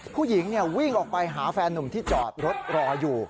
ผู้หญิงวิ่งออกไปหาแฟนนุ่มที่จอดรถรออยู่